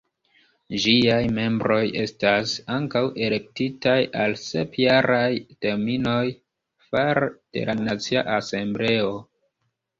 Ĝiaj membroj estas ankaŭ elektitaj al sep-jaraj terminoj fare de la Nacia Asembleo.